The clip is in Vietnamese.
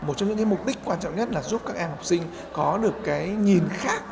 một trong những cái mục đích quan trọng nhất là giúp các em học sinh có được cái nhìn khác